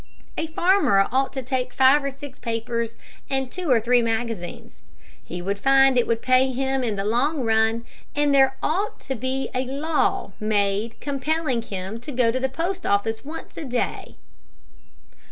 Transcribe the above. A farmer ought to take five or six papers and two or three magazines. He would find it would pay him in the long run, and there ought to be a law made compelling him to go to the post office once a day."